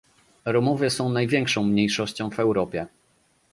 Romowie są największą mniejszością w Europie